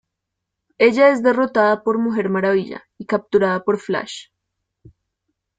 Ella es derrotada por Mujer Maravilla y capturada por Flash.